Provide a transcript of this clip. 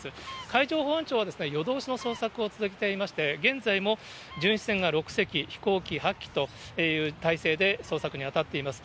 海上保安庁は夜通しの捜索を続けていまして、現在も巡視船が６隻、飛行機８機という態勢で捜索に当たっています。